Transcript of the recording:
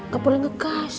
gak boleh ngekas